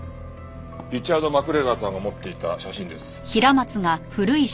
リチャード・マクレガーさんが持っていた写真です。